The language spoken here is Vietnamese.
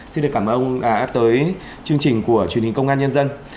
xin được cảm ơn ông đã tới chương trình của truyền hình công an nhân dân